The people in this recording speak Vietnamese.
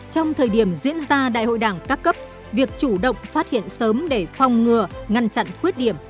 trong thời điểm diễn ra đại hội đảng các cấp việc chủ động phát hiện sớm để phòng ngừa ngăn chặn khuyết điểm